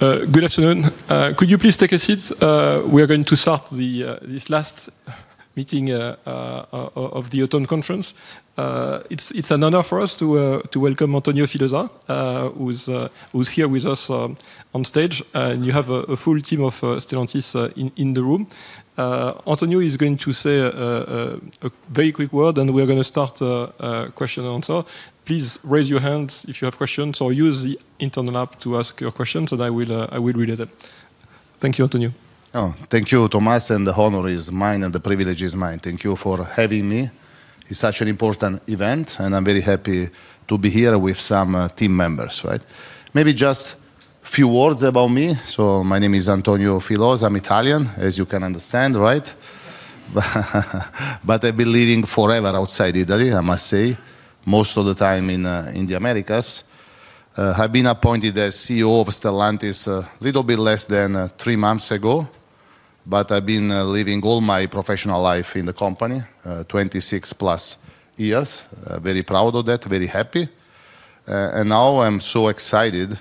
Good afternoon. Could you please take a seat? We are going to start this last meeting of the Autumn Conference. It's an honor for us to welcome Antonio Filosa, who's here with us on stage. You have a full team of Stellantis in the room. Antonio is going to say a very quick word, and we are going to start a question and answer. Please raise your hands if you have questions, or use the internal app to ask your questions, and I will read it up. Thank you, Antonio. Oh, thank you, Thomas. The honor is mine, and the privilege is mine. Thank you for having me. It's such an important event, and I'm very happy to be here with some team members. Maybe just a few words about me. My name is Antonio Filosa, I'm Italian, as you can understand, right? I've been living forever outside Italy, I must say, most of the time in the Americas. I've been appointed as CEO of Stellantis a little bit less than three months ago. I've been living all my professional life in the company, 26+ years. Very proud of that, very happy. Now I'm so excited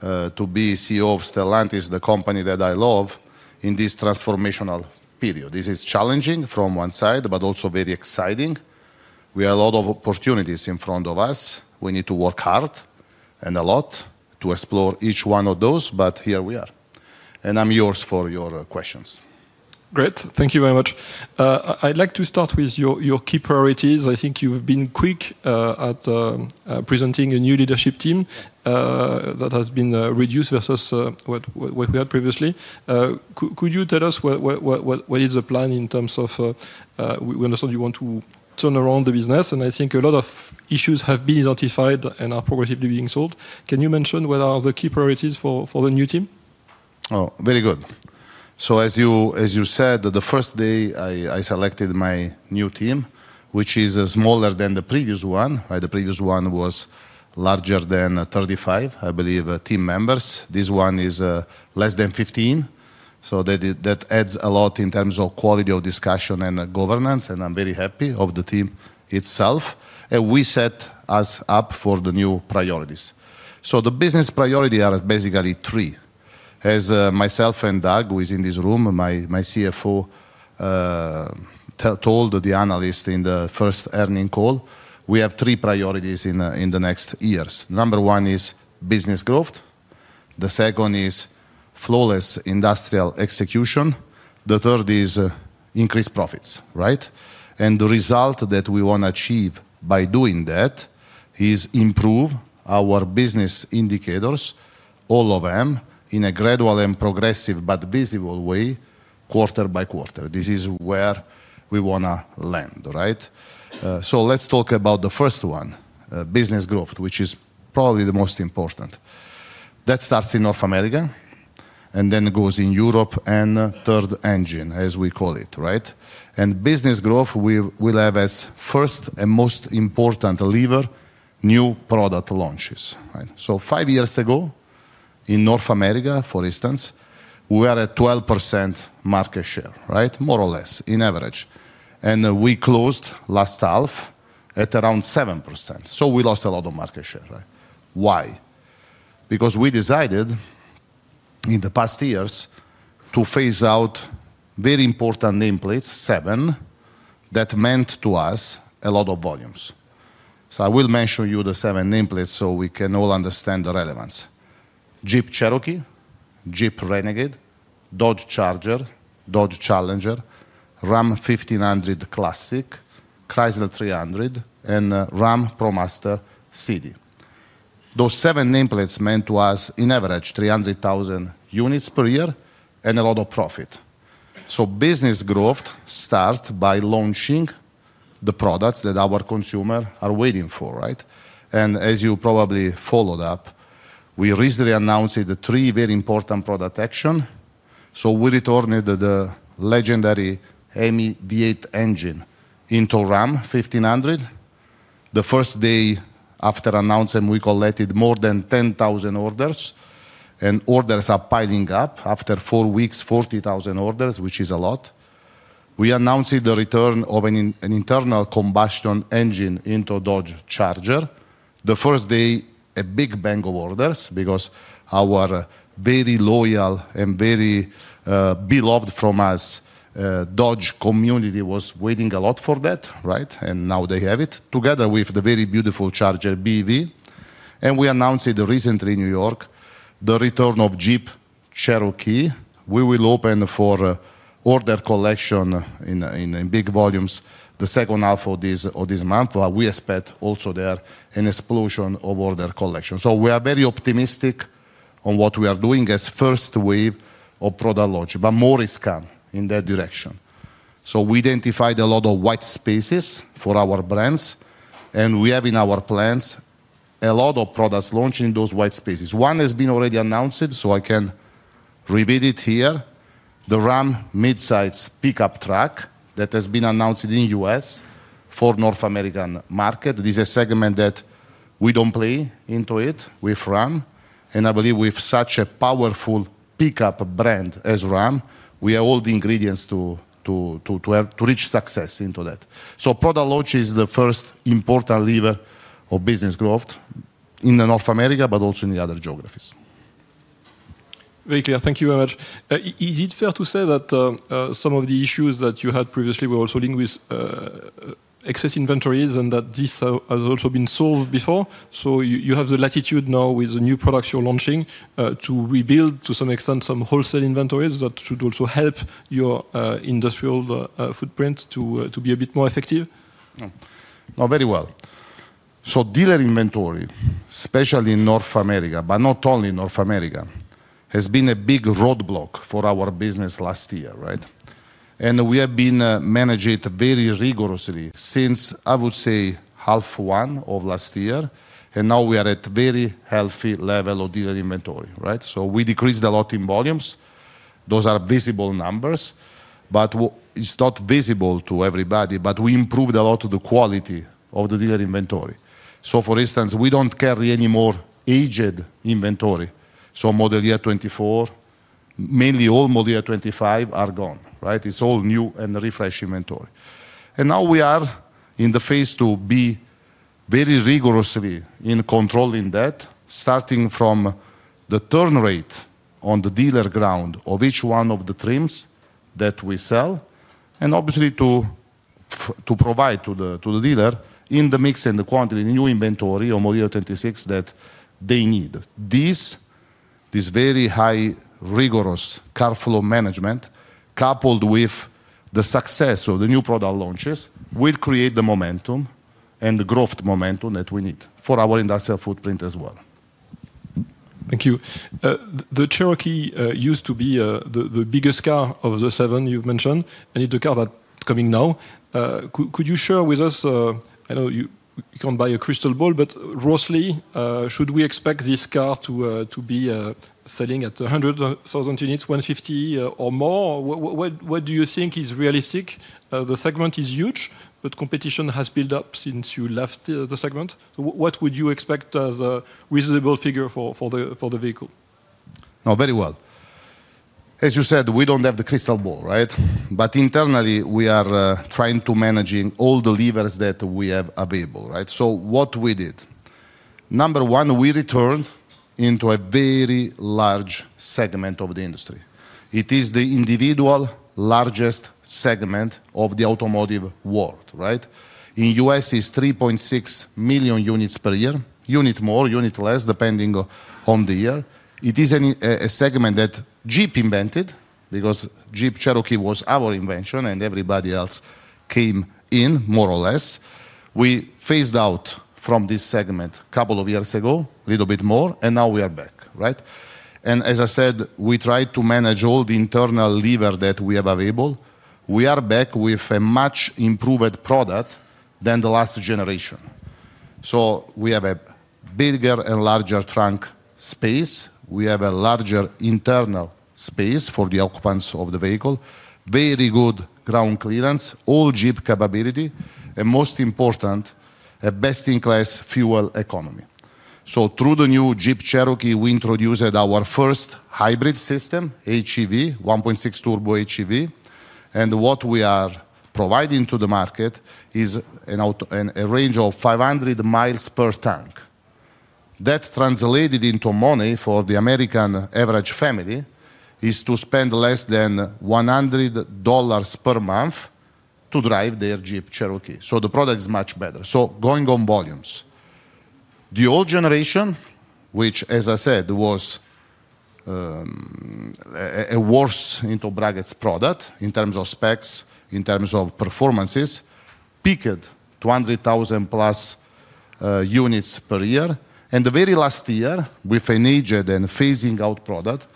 to be CEO of Stellantis, the company that I love, in this transformational period. This is challenging from one side, also very exciting. We have a lot of opportunities in front of us. We need to work hard and a lot to explore each one of those, but here we are. I'm yours for your questions. Great. Thank you very much. I'd like to start with your key priorities. I think you've been quick at presenting a new leadership team that has been reduced versus what we had previously. Could you tell us what is the plan in terms of—we understood you want to turn around the business. I think a lot of issues have been identified and are progressively being solved. Can you mention what are the key priorities for the new team? Oh, very good. As you said, the first day I selected my new team, which is smaller than the previous one. The previous one was larger than 35, I believe, team members. This one is less than 15. That adds a lot in terms of quality of discussion and governance. I'm very happy of the team itself. We set us up for the new priorities. The business priorities are basically three. As myself and Doug, who is in this room, my CFO, told the analyst in the first earning call, we have three priorities in the next years. Number one is business growth. The second is flawless industrial execution. The third is increased profits. The result that we want to achieve by doing that is improve our business indicators, all of them, in a gradual and progressive but visible way, quarter {by quarter. This is where we want to land. Let's talk about the first one, business growth, which is probably the most important. That starts in North America and then goes in Europe and third engine, as we call it. Business growth will have as first and most important lever new product launches. Five years ago, in North America, for instance, we are at 12% market share, more or less, in average. We closed last half at around 7%. We lost a lot of market share. Why? Because we decided in the past years to phase out very important nameplates, seven, that meant to us a lot of volumes. I will mention you the seven nameplates so we can all understand the relevance: Jeep Cherokee, Jeep Renegade, Dodge Charger, Dodge Challenger, Ram 1500 Classic, Chrysler 300, and Ram ProMaster CV. Those seven nameplates meant to us, in average, 300,000 units per year and a lot of profit. Business growth starts by launching the products that our consumers are waiting for. As you probably followed up, we recently announced the three very important product actions. We are returning the legendary HEMI V-8 engine into Ram 1500. The first day after announcing, we collected more than 10,000 orders. Orders are piling up. After four weeks, 40,000 orders, which is a lot. We announced the return of an internal combustion engine into Dodge Charger. The first day, a big bang of orders because our very loyal and very beloved from us Dodge community was waiting a lot for that. Now they have it, together with the very beautiful Charger BEV. We announced it recently in New York, the return of Jeep Cherokee. We will open for order collection in big volumes the second half of this month. We expect also there an explosion of order collection. We are very optimistic on what we are doing as first wave of product launch. More is coming in that direction. We identified a lot of white spaces for our brands, and we have in our plans a lot of products launched in those white spaces. One has been already announced, so I can repeat it here, the Ram midsize pickup truck that has been announced in the U.S. for the North American market. This is a segment that we don't play into with Ram, and I believe with such a powerful pickup brand as Ram, we have all the ingredients to reach success in that. Product launch is the first important lever of business growth in North America, but also in the other geographies. Very clear. Thank you very much. Is it fair to say that some of the issues that you had previously were also linked with excess inventories, and that this has also been solved before? You have the latitude now with the new products you're launching to rebuild, to some extent, some wholesale inventories that should also help your industrial footprint to be a bit more effective? Very well. Dealer inventory, especially in North America, but not only in North America, has been a big roadblock for our business last year. We have been managing it very rigorously since, I would say, half one of last year. Now we are at a very healthy level of dealer inventory. We decreased a lot in volumes. Those are visible numbers. It's not visible to everybody, but we improved a lot of the quality of the dealer inventory. For instance, we don't carry any more aged inventory. Model year 2024, mainly all model year 2025 are gone. It's all new and refresh inventory. Now we are in the phase to be very rigorously in controlling that, starting from the turn rate on the dealer ground of each one of the trims that we sell and obviously to provide to the dealer in the mix and the quantity in the new inventory of model year 2026 that they need. This very high, rigorous car flow management, coupled with the success of the new product launches, will create the momentum and growth momentum that we need for our industrial footprint as well. Thank you. The Cherokee used to be the biggest car of the seven you've mentioned. It's the car that's coming now. Could you share with us, I know you can't buy a crystal ball, but roughly, should we expect this car to be selling at 100,000 units, 150,000, or more? What do you think is realistic? The segment is huge, but competition has built up since you left the segment. What would you expect as a reasonable figure for the vehicle? No, very well. As you said, we don't have the crystal ball. Internally, we are trying to manage all the levers that we have available. What we did, number one, we returned into a very large segment of the industry. It is the individual largest segment of the automotive world. In the U.S., it's 3.6 million units per year, unit more, unit less, depending on the year. It is a segment that Jeep invented because Jeep Cherokee was our invention and everybody else came in, more or less. We phased out from this segment a couple of years ago, a little bit more, and now we are back. As I said, we tried to manage all the internal levers that we have available. We are back with a much improved product than the last generation. We have a bigger and larger trunk space. We have a larger internal space for the occupants of the vehicle, very good ground clearance, all Jeep capability, and most important, a best-in-class fuel economy. Through the new Jeep Cherokee, we introduced our first hybrid system, HEV, 1.6 turbo HEV. What we are providing to the market is a range of 500 mi per tank. That translated into money for the American average family is to spend less than $100 per month to drive their Jeep Cherokee. The product is much better. Going on volumes, the old generation, which, as I said, was a worst-in-to-brackets product in terms of specs, in terms of performances, peaked 200,000+ units per year. The very last year, with an aged and phasing-out product,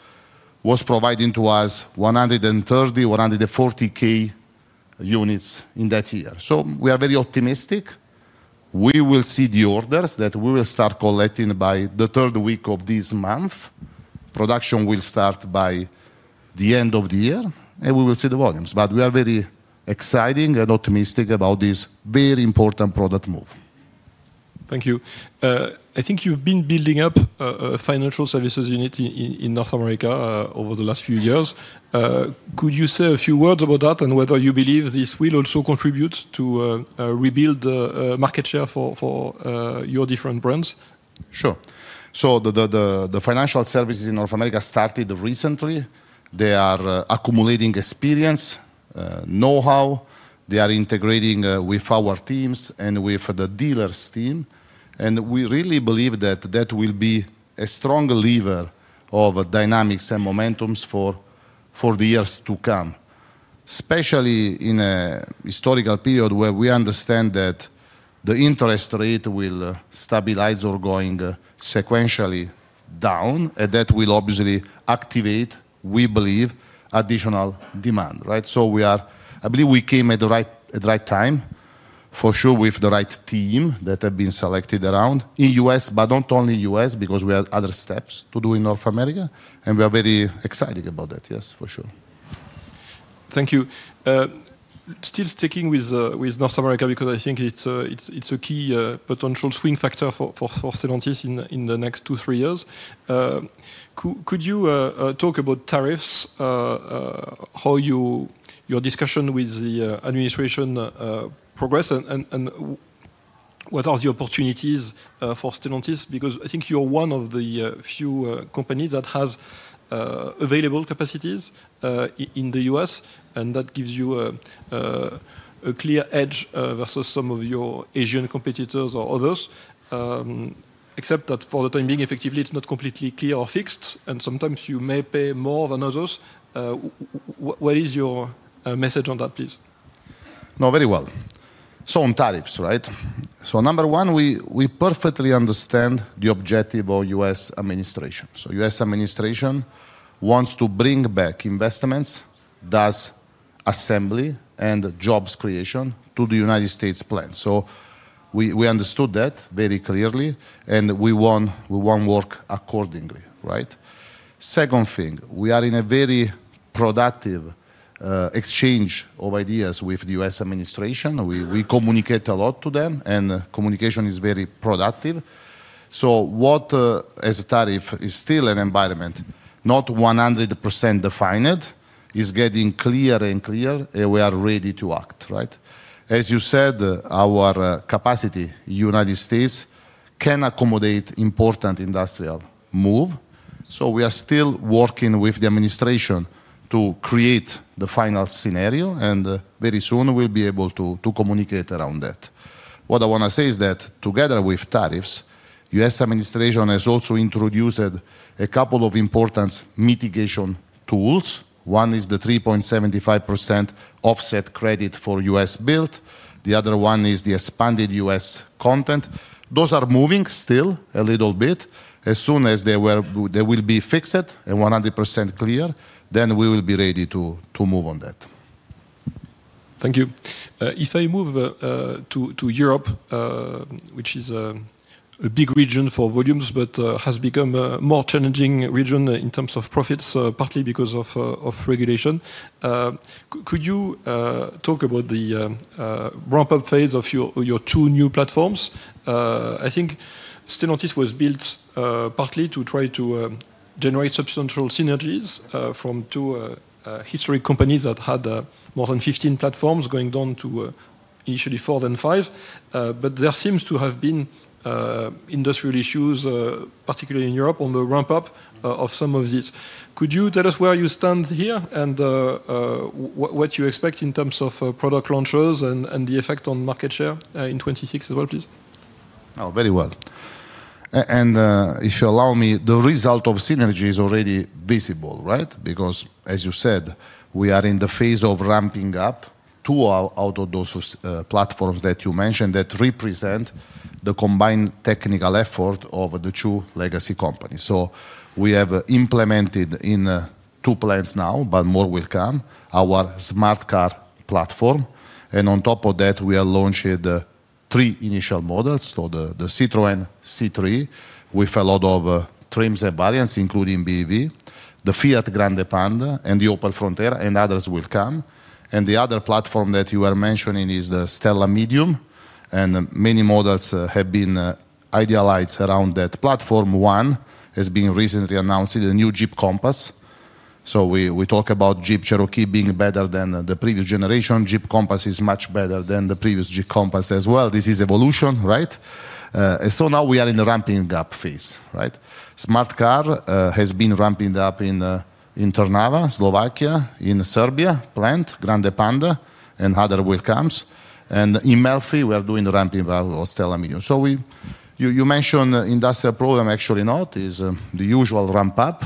was providing to us 130,000, 140,000 units in that year. We are very optimistic. We will see the orders that we will start collecting by the third week of this month. Production will start by the end of the year, and we will see the volumes. We are very excited and optimistic about this very important product move. Thank you. I think you've been building up a financial services unit in North America over the last few years. Could you say a few words about that and whether you believe this will also contribute to rebuild the market share for your different brands? Sure. The financial services in North America started recently. They are accumulating experience and know-how. They are integrating with our teams and with the dealers' team. We really believe that will be a strong lever of dynamics and momentum for the years to come, especially in a historical period where we understand that the interest rate will stabilize or go sequentially down. That will obviously activate, we believe, additional demand. I believe we came at the right time, for sure, with the right team that has been selected around in the U.S., but not only in the U.S. because we have other steps to do in North America. We are very excited about that, yes, for sure. Thank you. Still sticking with North America because I think it's a key potential swing factor for Stellantis in the next two or three years. Could you talk about tariffs, how your discussion with the administration progressed, and what are the opportunities for Stellantis? I think you're one of the few companies that has available capacities in the U.S., and that gives you a clear edge versus some of your Asian competitors or others, except that for the time being, effectively, it's not completely clear or fixed. Sometimes you may pay more than others. What is your message on that, please? No, very well. On tariffs, right? Number one, we perfectly understand the objective of the U.S. administration. The U.S. administration wants to bring back investments, assembly, and jobs creation to the United States plan. We understood that very clearly, and we want to work accordingly. Second thing, we are in a very productive exchange of ideas with the U.S. administration. We communicate a lot to them, and communication is very productive. As a tariff, it is still an environment not 100% defined, but it is getting clearer and clearer, and we are ready to act. As you said, our capacity in the United States can accommodate important industrial moves. We are still working with the administration to create the final scenario, and very soon, we'll be able to communicate around that. What I want to say is that together with tariffs, the U.S. administration has also introduced a couple of important mitigation tools. One is the 3.75% offset credit for U.S. build. The other one is the expanded U.S. content. Those are moving still a little bit. As soon as they will be fixed and 100% clear, then we will be ready to move on that. Thank you. If I move to Europe, which is a big region for volumes, but has become a more challenging region in terms of profits, partly because of regulation, could you talk about the ramp-up phase of your two new platforms? I think Stellantis was built partly to try to generate substantial synergies from two historic companies that had more than 15 platforms, going down to initially four, then five. There seems to have been industrial issues, particularly in Europe, on the ramp-up of some of these. Could you tell us where you stand here and what you expect in terms of product launches and the effect on market share in 2026 as well, please? Oh, very well. If you allow me, the result of synergy is already visible, right? Because, as you said, we are in the phase of ramping up two out of those platforms that you mentioned that represent the combined technical effort of the two legacy companies. We have implemented in two plants now, but more will come, our Smart Car platform. On top of that, we have launched three initial models: the Citroën C3 with a lot of trims and variants, including BEV, the Fiat Grande Panda, and the Opel Frontera, and others will come. The other platform that you are mentioning is the STLA Medium, and many models have been idealized around that platform. One has been recently announced, the new Jeep Compass. We talk about Jeep Cherokee being better than the previous generation. Jeep Compass is much better than the previous Jeep Compass as well. This is evolution. Now we are in a ramping up phase. Smart Car has been ramping up in Trnava, Slovakia, in Serbia plant, Grande Panda, and others will come. In Melfi, we are doing the ramping up of Stella Medium. You mentioned the industrial program; actually, it is the usual ramp-up.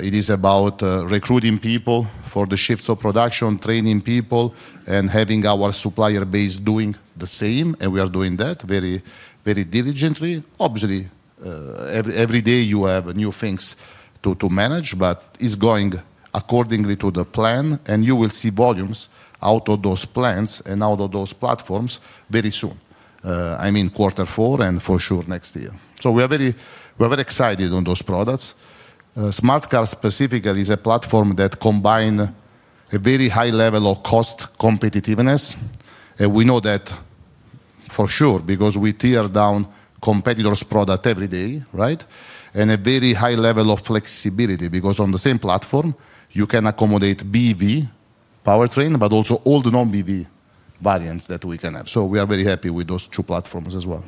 It is about recruiting people for the shifts of production, training people, and having our supplier base doing the same. We are doing that very, very diligently. Obviously, every day you have new things to manage, but it's going accordingly to the plan. You will see volumes out of those plants and out of those platforms very soon. I mean quarter four and for sure next year. We are very excited on those products. Smart Car specifically is a platform that combines a very high level of cost competitiveness. We know that for sure because we tear down competitors' products every day, right? And a very high level of flexibility because on the same platform, you can accommodate BEV powertrain, but also all the non-BEV variants that we can have. We are very happy with those two platforms as well.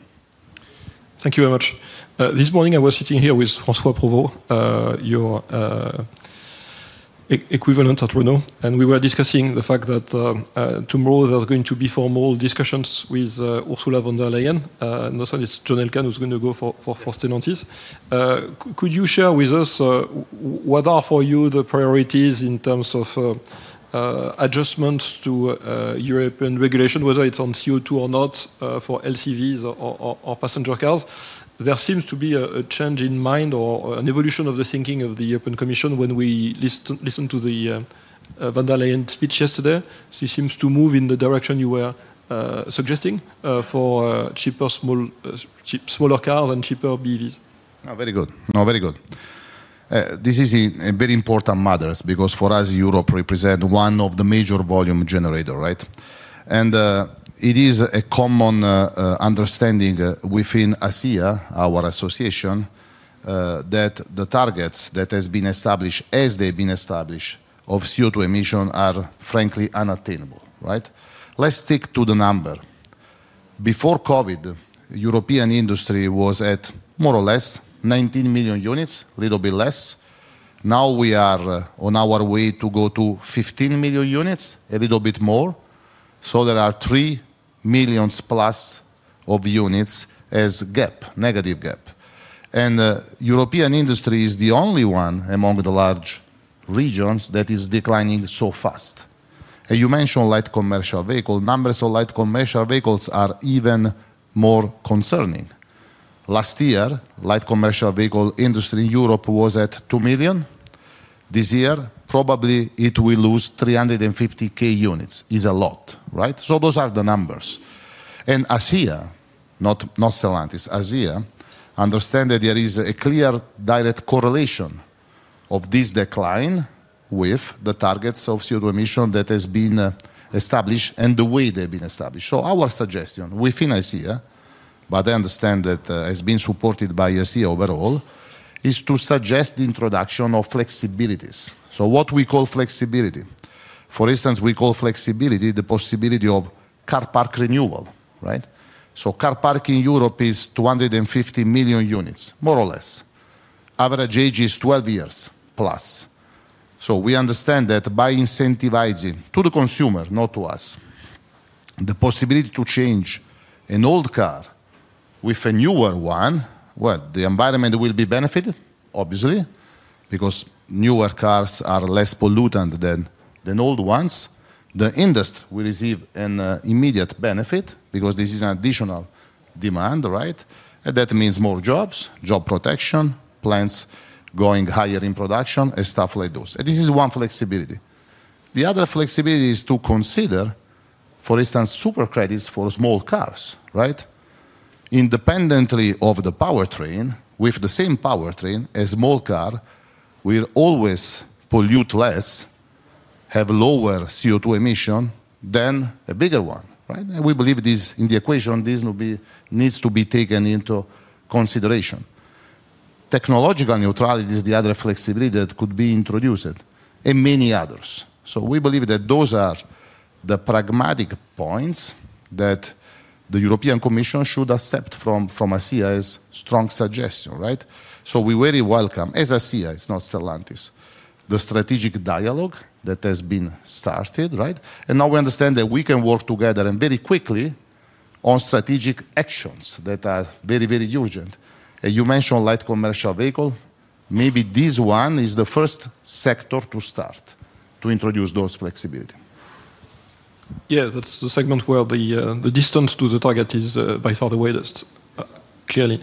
Thank you very much. This morning, I was sitting here with François Provost, your equivalent at Renault, and we were discussing the fact that tomorrow there are going to be formal discussions with Ursula von der Leyen. Not only is John Elkann going to go for Stellantis. Could you share with us what are for you the priorities in terms of adjustments to European regulation, whether it's on CO2 or not, for LCVs or passenger cars? There seems to be a change in mind or an evolution of the thinking of the European Commission when we listened to the von der Leyen speech yesterday. She seems to move in the direction you were suggesting for cheaper, smaller cars and cheaper BEVs. Very good. This is a very important matter because for us, Europe represents one of the major volume generators. It is a common understanding within ACEA, our association, that the targets that have been established, as they've been established, of CO2 emission are, frankly, unattainable. Let's stick to the number. Before COVID, the European industry was at more or less 19 million units, a little bit less. Now we are on our way to go to 15 million units, a little bit more. There are 3 million+ of units as a gap, negative gap. The European industry is the only one among the large regions that is declining so fast. You mentioned light commercial vehicles. Numbers of light commercial vehicles are even more concerning. Last year, the light commercial vehicle industry in Europe was at 2 million. This year, probably it will lose 350,000 units. It's a lot. Those are the numbers. ACEA, not Stellantis, ACEA understands that there is a clear direct correlation of this decline with the targets of CO2 emission that have been established and the way they've been established. Our suggestion within ACEA, but I understand that it has been supported by ACEA overall, is to suggest the introduction of flexibilities. What we call flexibility, for instance, is the possibility of car park renewal. Car park in Europe is 250 million units, more or less. Average age is 12 years +. We understand that by incentivizing to the consumer, not to us, the possibility to change an old car with a newer one, the environment will be benefited, obviously, because newer cars are less pollutant than old ones. The industry will receive an immediate benefit because this is an additional demand. That means more jobs, job protection, plants going higher in production, and stuff like those. This is one flexibility. The other flexibility is to consider, for instance, super credits for small cars. Independently of the powertrain, with the same powertrain, a small car will always pollute less, have a lower CO2 emission than a bigger one. We believe this in the equation, this needs to be taken into consideration. Technological neutrality is the other flexibility that could be introduced and many others. We believe that those are the pragmatic points that the European Commission should accept from ACEA's strong suggestion. We very welcome, as ACEA, it's not Stellantis, the strategic dialogue that has been started. Now we understand that we can work together and very quickly on strategic actions that are very, very urgent. You mentioned light commercial vehicles. Maybe this one is the first sector to start to introduce those flexibilities. Yeah, that's the segment where the distance to the target is by far the widest, clearly.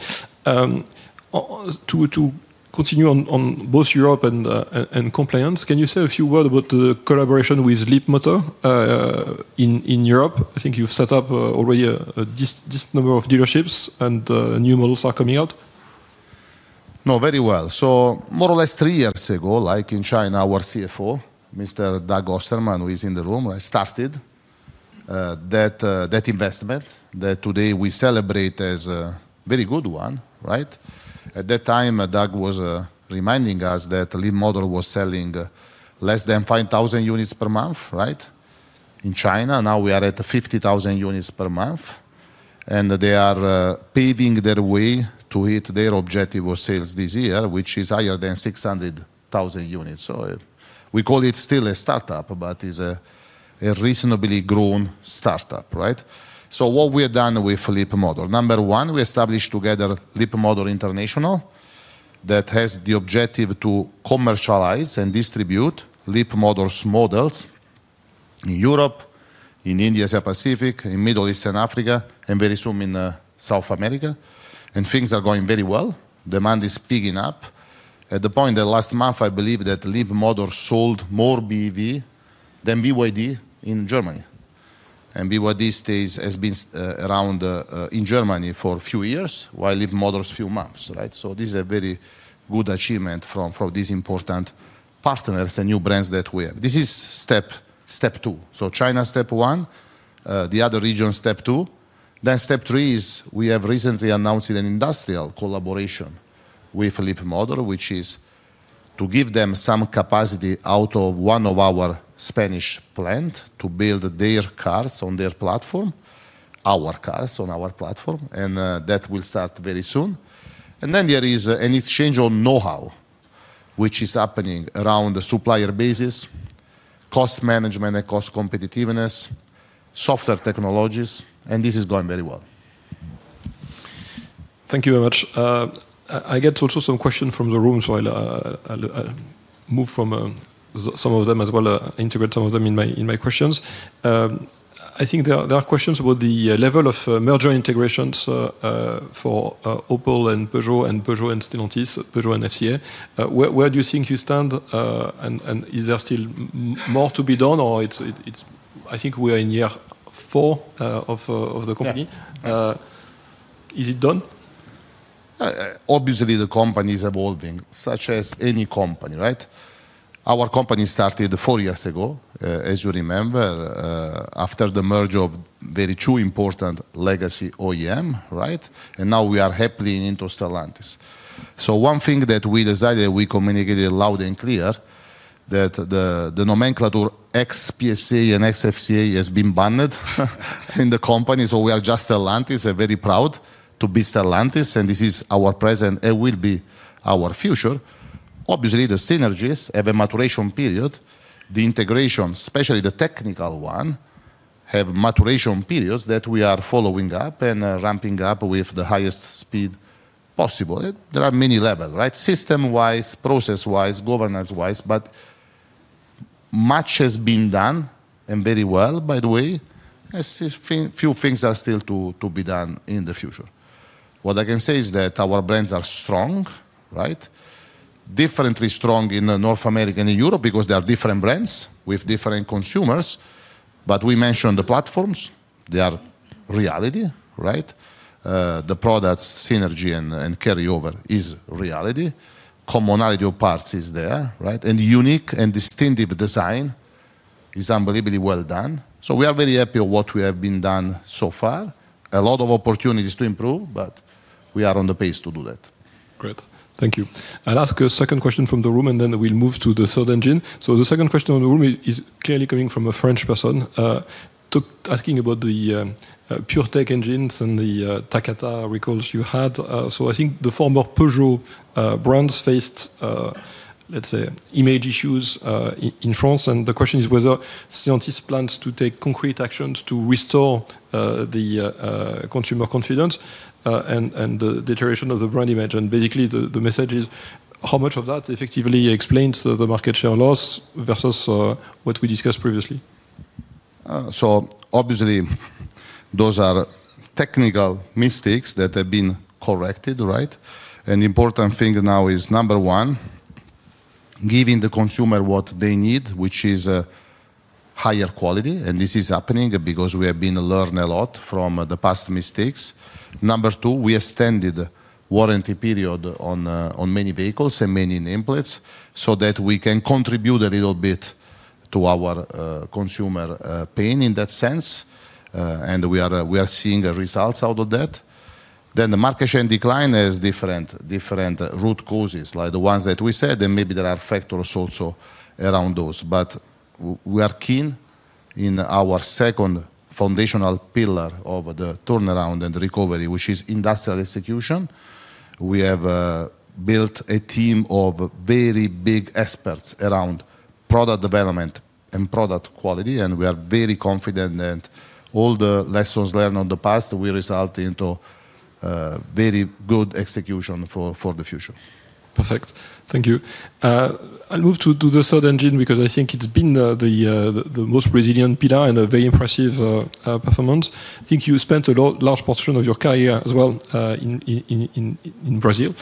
To continue on both Europe and compliance, can you say a few words about the collaboration with Leapmotor in Europe? I think you've set up already a decent number of dealerships and new models are coming out. No, very well. More or less three years ago, like in China, our CFO, Mr. Doug Ostermann, who is in the room, started that investment that today we celebrate as a very good one. At that time, Doug was reminding us that Leapmotor was selling less than 5,000 units per month in China. Now we are at 50,000 units per month, and they are paving their way to hit their objective of sales this year, which is higher than 600,000 units. We call it still a startup, but it's a reasonably grown startup. What we have done with Leapmotor? Number one, we established together Leapmotor International that has the objective to commercialize and distribute Leapmotor's models in Europe, in the Indo-Asia-Pacific, in the Middle East and Africa, and very soon in South America. Things are going very well. Demand is picking up. At the point that last month, I believe that Leapmotor sold more BEV than BYD in Germany. BYD has been around in Germany for a few years, while Leapmotor a few months. This is a very good achievement from these important partners and new brands that we have. This is step two. China, step one, the other regions, step two. Step three is we have recently announced an industrial collaboration with Leapmotor, which is to give them some capacity out of one of our Spanish plants to build their cars on their platform, our cars on our platform. That will start very soon. There is an exchange on know-how, which is happening around the supplier basis, cost management and cost competitiveness, software technologies. This is going very well. Thank you very much. I get also some questions from the room. I'll move from some of them as well, integrate some of them in my questions. I think there are questions about the level of merger integrations for Opel and Peugeot and Peugeot and Stellantis, Peugeot and FCA. Where do you think you stand? Is there still more to be done? I think we are in year four of the company. Is it done? Obviously, the company is evolving, such as any company. Our company started four years ago, as you remember, after the merger of two very important legacy OEMs. Now we are happily into Stellantis. One thing that we decided, we communicated loud and clear, is that the nomenclature xPSA and xFCA has been banned in the company. We are just Stellantis. We're very proud to be Stellantis. This is our present and will be our future. Obviously, the synergies have a maturation period. The integration, especially the technical one, has maturation periods that we are following up and ramping up with the highest speed possible. There are many levels, system-wise, process-wise, governance-wise. Much has been done and very well, by the way. A few things are still to be done in the future. What I can say is that our brands are strong, right? Differently strong in North America and Europe because they are different brands with different consumers. We mentioned the platforms. They are reality. The product synergy and carryover is reality. Commonality of parts is there. Unique and distinctive design is unbelievably well done. We are very happy with what we have done so far. A lot of opportunities to improve, but we are on the pace to do that. Great. Thank you. I'll ask a second question from the room, and then we'll move to the third engine. The second question in the room is clearly coming from a French person, asking about the PureTech engines and the Takata recalls you had. I think the former Peugeot brands faced, let's say, image issues in France. The question is whether Stellantis plans to take concrete actions to restore the consumer confidence and the deterioration of the brand image. Basically, the message is how much of that effectively explains the market share loss versus what we discussed previously. Obviously, those are technical mistakes that have been corrected. An important thing now is, number one, giving the consumer what they need, which is higher quality. This is happening because we have been learning a lot from the past mistakes. Number two, we extended the warranty period on many vehicles and many nameplates so that we can contribute a little bit to our consumer pain in that sense. We are seeing results out of that. The market share decline has different root causes, like the ones that we said. Maybe there are factors also around those. We are keen in our second foundational pillar of the turnaround and recovery, which is industrial execution. We have built a team of very big experts around product development and product quality. We are very confident that all the lessons learned in the past will result in very good execution for the future. Perfect. Thank you. I'll move to the third engine because I think it's been the most resilient pillar and a very impressive performance. I think you spent a large portion of your career as well in Brazil.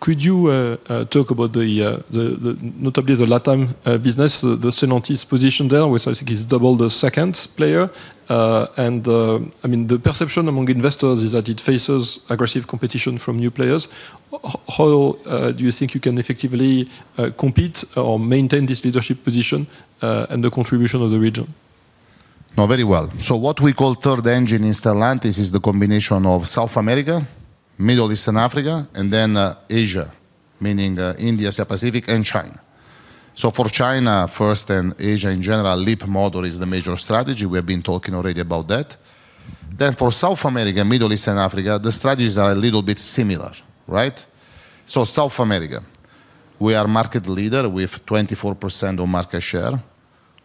Could you talk about notably the LATAM business, the Stellantis position there, which I think is double the second player? I mean, the perception among investors is that it faces aggressive competition from new players. How do you think you can effectively compete or maintain this leadership position and the contribution of the region? No, very well. What we call third engine in Stellantis is the combination of South America, Middle East and Africa, and then Asia, meaning India, Asia-Pacific, and China. For China first and Asia in general, Leapmotor is the major strategy. We have been talking already about that. For South America and Middle East and Africa, the strategies are a little bit similar. In South America, we are a market leader with 24% of market share.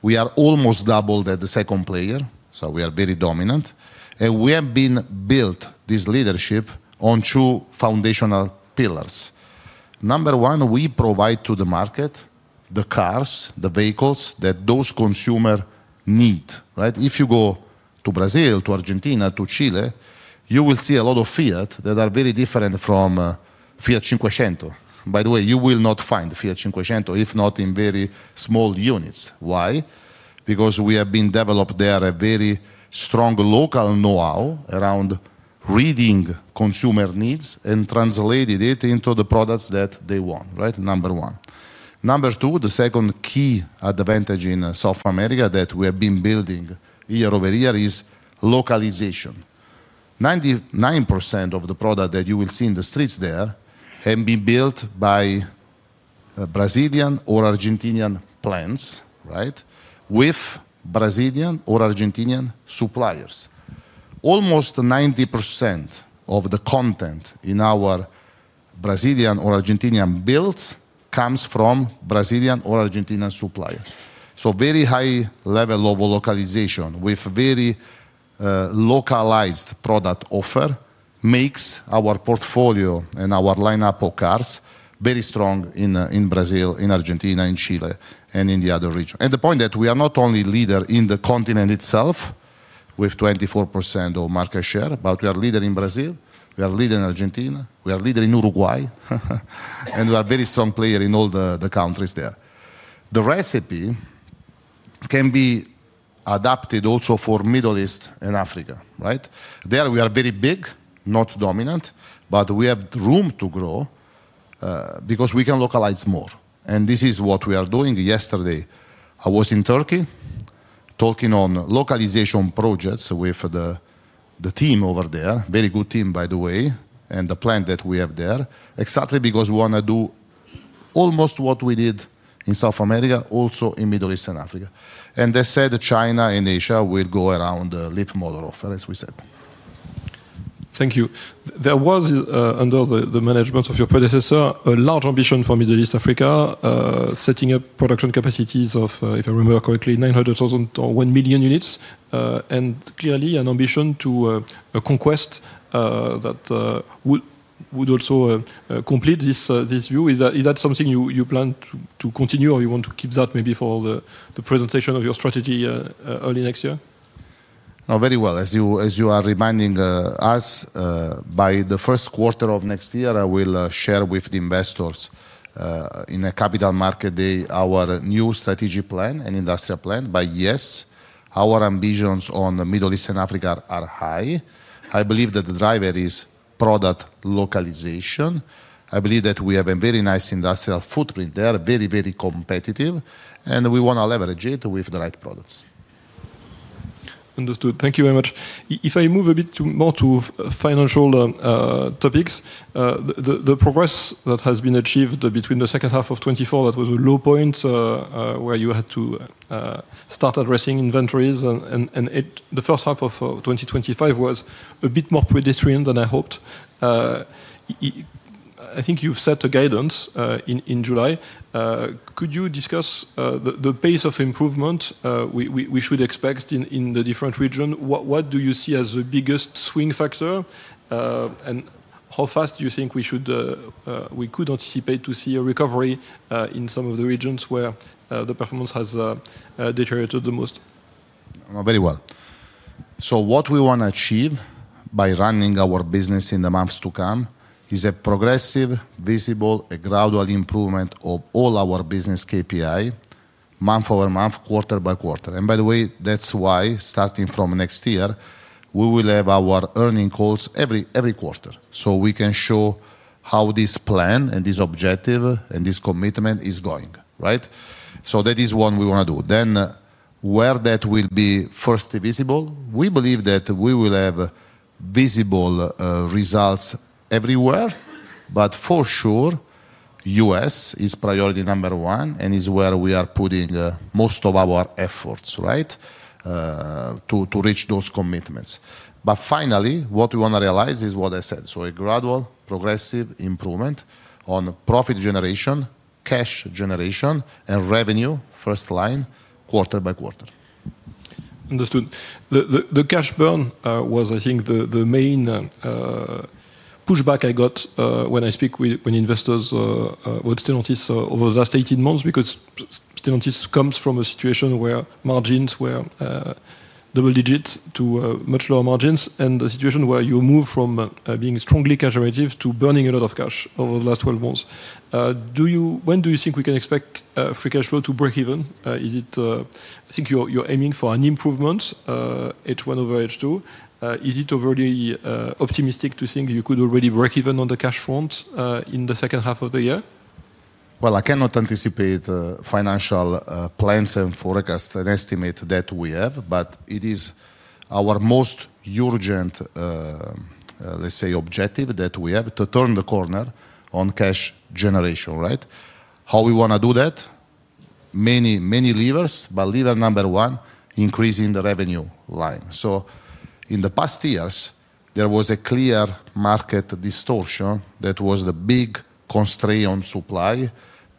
We are almost double that the second player. We are very dominant. We have built this leadership on two foundational pillars. Number one, we provide to the market the cars, the vehicles that those consumers need. If you go to Brazil, to Argentina, to Chile, you will see a lot of Fiat that are very different from Fiat Cinquecento. By the way, you will not find Fiat Cinquecento, if not in very small units. Why? Because we have developed there a very strong local know-how around reading consumer needs and translating it into the products that they want, number one. Number two, the second key advantage in South America that we have been building year-over-year is localization. 99% of the product that you will see in the streets there has been built by Brazilian or Argentinian plants with Brazilian or Argentinian suppliers. Almost 90% of the content in our Brazilian or Argentinian builds comes from Brazilian or Argentinian suppliers. A very high level of localization with very localized product offer makes our portfolio and our lineup of cars very strong in Brazil, in Argentina, in Chile, and in the other regions. The point is that we are not only a leader in the continent itself with 24% of market share, but we are a leader in Brazil. We are a leader in Argentina. We are a leader in Uruguay. We are a very strong player in all the countries there. The recipe can be adapted also for the Middle East and Africa. There, we are very big, not dominant, but we have room to grow because we can localize more. This is what we are doing. Yesterday, I was in Turkey talking on localization projects with the team over there, a very good team, by the way, and the plant that we have there, exactly because we want to do almost what we did in South America, also in Middle East and Africa. China and Asia will go around the Leapmotor offer, as we said. Thank you. There was, under the management of your predecessor, a large ambition for Middle East Africa, setting up production capacities of, if I remember correctly, 900,000 or 1 million units. Clearly, an ambition to conquest that would also complete this view. Is that something you plan to continue or you want to keep that maybe for the presentation of your strategy early next year? No, very well. As you are reminding us, by the first quarter of next year, I will share with the investors in a capital market day our new strategy plan and industrial plan. Yes, our ambitions on Middle East and Africa are high. I believe that the driver is product localization. I believe that we have a very nice industrial footprint there, very, very competitive. We want to leverage it with the right products. Understood. Thank you very much. If I move a bit more to financial topics, the progress that has been achieved between the second half of 2024, that was a low point where you had to start addressing inventories, and the first half of 2025 was a bit more predestined than I hoped. I think you've set a guidance in July. Could you discuss the pace of improvement we should expect in the different regions? What do you see as the biggest swing factor? How fast do you think we could anticipate to see a recovery in some of the regions where the performance has deteriorated the most? No, very well. What we want to achieve by running our business in the months to come is a progressive, visible, and gradual improvement of all our business KPI month over month, quarter by quarter. By the way, that's why, starting from next year, we will have our earning calls every quarter so we can show how this plan and this objective and this commitment is going. That is what we want to do. Where that will be first visible, we believe that we will have visible results everywhere. For sure, the U.S. is priority number one and is where we are putting most of our efforts to reach those commitments. Finally, what we want to realize is what I said, a gradual, progressive improvement on profit generation, cash generation, and revenue first line, quarter by quarter. Understood. The cash burn was, I think, the main pushback I got when I speak with investors or Stellantis over the last 18 months because Stellantis comes from a situation where margins were double digits to much lower margins, and a situation where you move from being strongly cash-relative to burning a lot of cash over the last 12 months. When do you think we can expect free cash flow to break even? I think you're aiming for an improvement H1 over H2. Is it overly optimistic to think you could already break even on the cash front in the second half of the year? I cannot anticipate financial plans and forecasts and estimates that we have. It is our most urgent, let's say, objective that we have to turn the corner on cash generation. How we want to do that? Many, many levers, but lever number one, increasing the revenue line. In the past years, there was a clear market distortion that was the big constraint on supply,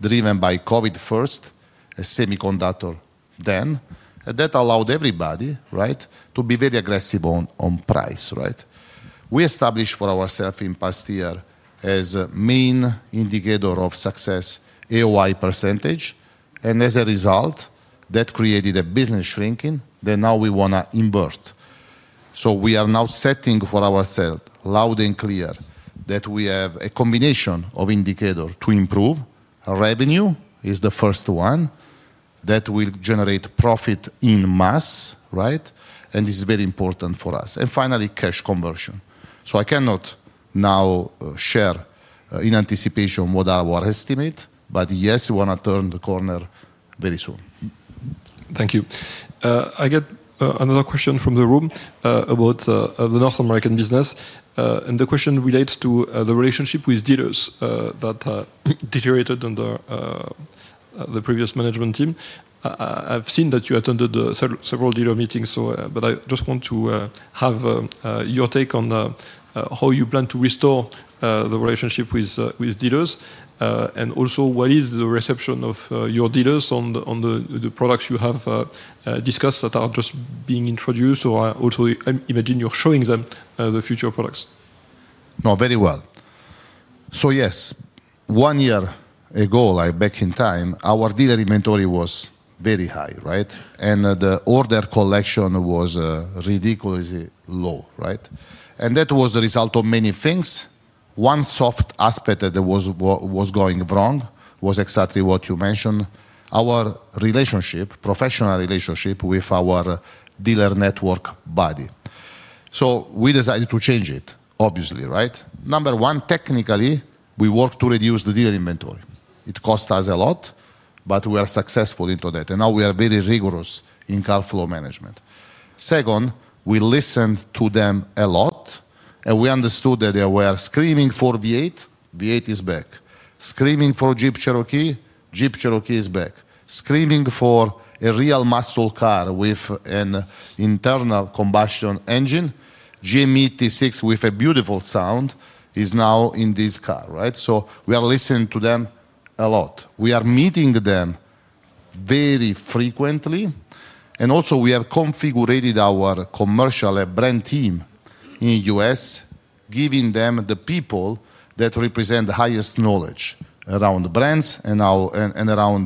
driven by COVID first, a semiconductor then. That allowed everybody to be very aggressive on price. We established for ourselves in the past year as a main indicator of success, AOI percentage. As a result, that created a business shrinking. Now we want to invert. We are now setting for ourselves, loud and clear, that we have a combination of indicators to improve. Revenue is the first one that will generate profit en masse. This is very important for us. Finally, cash conversion. I cannot now share in anticipation what our estimate. Yes, we want to turn the corner very soon. Thank you. I get another question from the room about the North American business. The question relates to the relationship with dealers that deteriorated under the previous management team. I've seen that you attended several dealer meetings. I just want to have your take on how you plan to restore the relationship with dealers. Also, what is the reception of your dealers on the products you have discussed that are just being introduced? I also imagine you're showing them the future products. No, very well. Yes, one year ago, back in time, our dealer inventory was very high, and the order collection was ridiculously low. That was the result of many things. One soft aspect that was going wrong was exactly what you mentioned, our professional relationship with our dealer network body. We decided to change it, obviously. Number one, technically, we worked to reduce the dealer inventory. It cost us a lot, but we were successful in that. Now we are very rigorous in car flow management. Second, we listened to them a lot, and we understood that they were screaming for V8. V8 is back. Screaming for Jeep Cherokee. Jeep Cherokee is back. Screaming for a real muscle car with an internal combustion engine. GME-T6 with a beautiful sound is now in this car. We are listening to them a lot. We are meeting them very frequently. We have configured our commercial brand team in the U.S., giving them the people that represent the highest knowledge around brands and around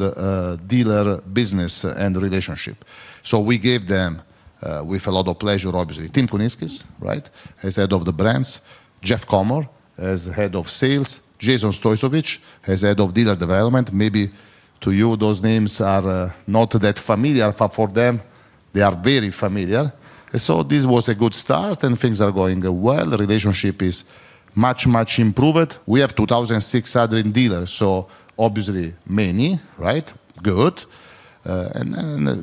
dealer business and relationship. We gave them, with a lot of pleasure, obviously, Tim Kuniskis as Head of the Brands, Jeff Komme as Head of Sales, Jason Stoicevich as Head of Dealer Development. Maybe to you, those names are not that familiar, but for them, they are very familiar. This was a good start, and things are going well. The relationship is much, much improved. We have 2,600 dealers, so obviously, many. Good.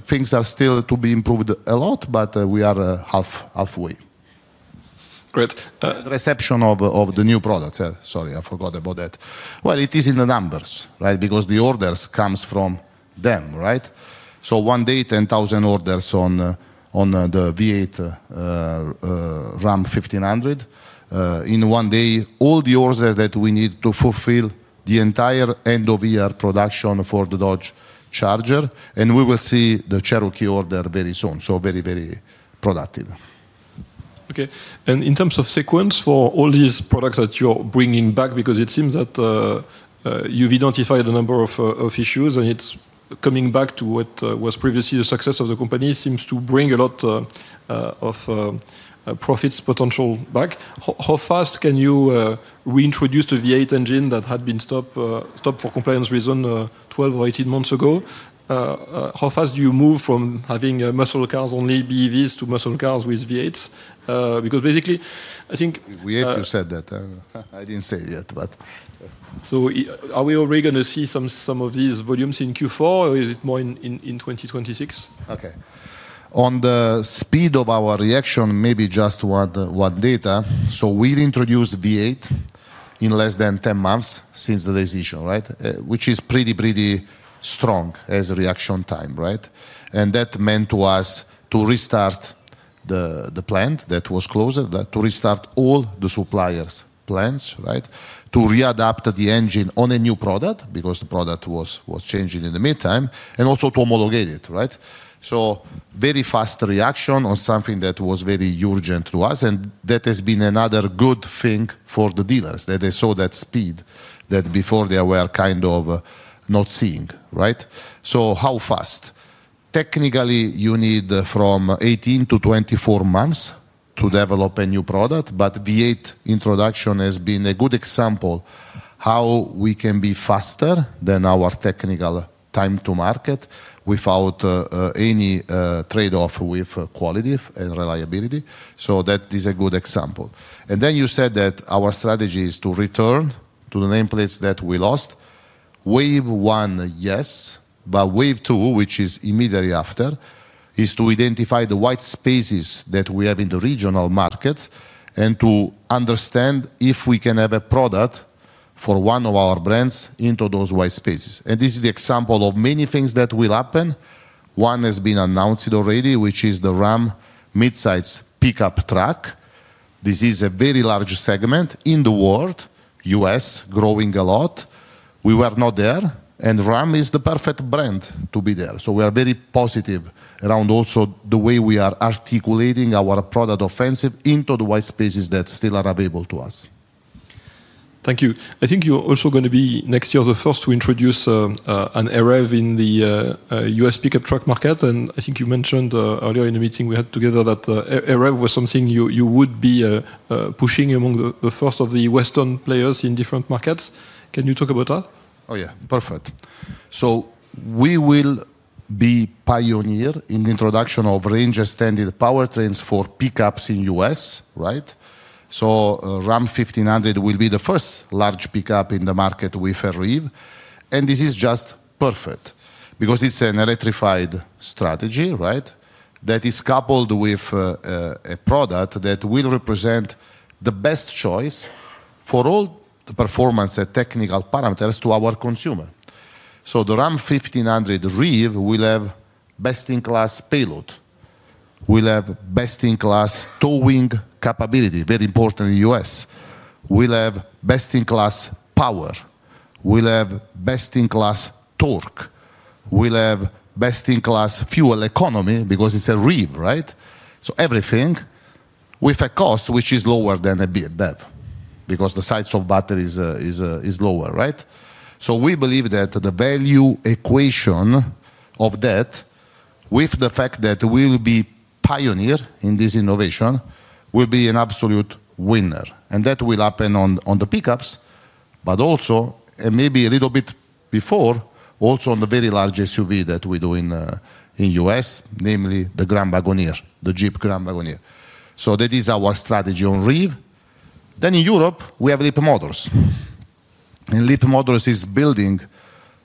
Things are still to be improved a lot, but we are halfway. Great. Reception of the new products. It is in the numbers because the orders come from them. One day, 10,000 orders on the V8 Ram 1500. In one day, all the orders that we need to fulfill the entire end-of-year production for the Dodge Charger. We will see the Jeep Cherokee order very soon. Very, very productive. OK. In terms of sequence for all these products that you're bringing back, it seems that you've identified a number of issues. It's coming back to what was previously the success of the company, which seems to bring a lot of profits potential back. How fast can you reintroduce the V8 engine that had been stopped for compliance reasons 12 or 18 months ago? How fast do you move from having muscle cars on BEVs to muscle cars with V8s? Because basically, I think. We actually said that. I didn't say that. Are we already going to see some of these volumes in Q4, or is it more in 2026? OK. On the speed of our reaction, maybe just what data. We've introduced V8 in less than 10 months since the decision, which is pretty, pretty strong as a reaction time. That meant to us to restart the plant that was closed, to restart all the suppliers' plants, to readapt the engine on a new product because the product was changing in the meantime, and also to homologate it. Very fast reaction on something that was very urgent to us. That has been another good thing for the dealers, that they saw that speed that before they were kind of not seeing. How fast? Technically, you need from 18 to 24 months to develop a new product. V8 introduction has been a good example of how we can be faster than our technical time to market without any trade-off with quality and reliability. That is a good example. You said that our strategy is to return to the nameplates that we lost. Wave one, yes. Wave two, which is immediately after, is to identify the white spaces that we have in the regional markets and to understand if we can have a product for one of our brands into those white spaces. This is the example of many things that will happen. One has been announced already, which is the Ram midsize pickup truck. This is a very large segment in the world, U.S., growing a lot. We were not there. Ram is the perfect brand to be there. We are very positive around also the way we are articulating our product offensive into the white spaces that still are available to us. Thank you. I think you're also going to be, next year, the first to introduce a REV in the U.S. pickup truck market. I think you mentioned earlier in the meeting we had together that REV was something you would be pushing among the first of the Western players in different markets. Can you talk about that? Oh, yeah. Perfect. We will be pioneers in the introduction of range-extended powertrains for pickups in the U.S. The Ram 1500 will be the first large pickup in the market with a REV. This is just perfect because it's an electrified strategy that is coupled with a product that will represent the best choice for all the performance and technical parameters to our consumer. The Ram 1500 REV will have best-in-class payload, best-in-class towing capability, which is very important in the U.S., best-in-class power, best-in-class torque, and best-in-class fuel economy because it's a REV. Everything comes with a cost which is lower than a BEV because the size of the battery is lower. We believe that the value equation of that, with the fact that we will be pioneers in this innovation, will be an absolute winner. That will happen on the pickups, but also, and maybe a little bit before, also on the very large SUV that we do in the U.S., namely the Jeep Grand Wagoneer. That is our strategy on REV. In Europe, we have Leapmotor. Leapmotor is building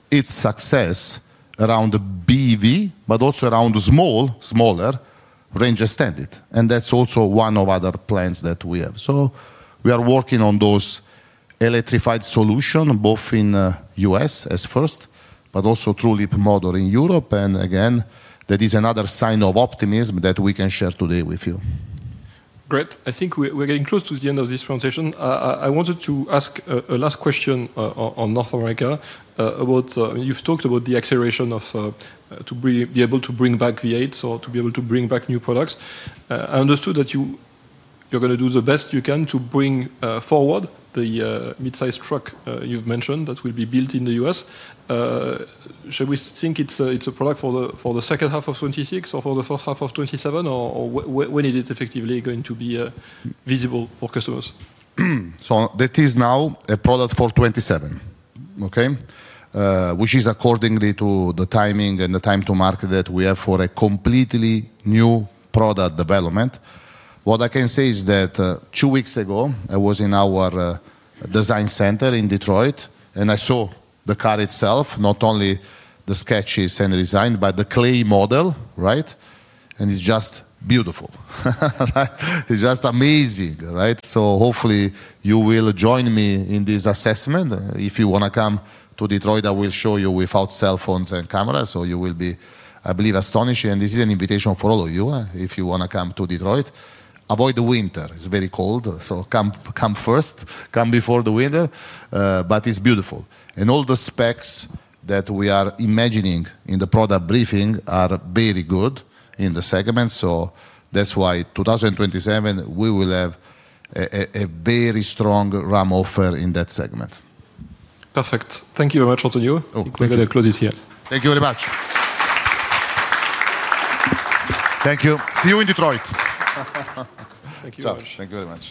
its success around BEV, but also around small, smaller range-extended. That's also one of the other plans that we have. We are working on those electrified solutions, both in the U.S. as first, but also through Leapmotor in Europe. That is another sign of optimism that we can share today with you. Great. I think we're getting close to the end of this presentation. I wanted to ask a last question on North America about you've talked about the acceleration to be able to bring back V8s or to be able to bring back new products. I understood that you're going to do the best you can to bring forward the midsize truck you've mentioned that will be built in the U.S. Shall we think it's a product for the second half of 2026 or for the first half of 2027? Or when is it effectively going to be visible for customers? That is now a product for 2027, which is according to the timing and the time to market that we have for a completely new product development. What I can say is that two weeks ago, I was in our design center in Detroit, and I saw the car itself, not only the sketches and design, but the clay model. It's just beautiful. It's just amazing. Hopefully, you will join me in this assessment. If you want to come to Detroit, I will show you without cell phones and cameras. You will be, I believe, astonished. This is an invitation for all of you if you want to come to Detroit. Avoid the winter. It's very cold. Come before the winter. It's beautiful. All the specs that we are imagining in the product briefing are very good in the segment. That's why in 2027, we will have a very strong Ram offer in that segment. Perfect. Thank you very much, Antonio. Maybe I'll close it here. Thank you very much. Thank you. See you in Detroit. Thank you, very much. Thank you very much.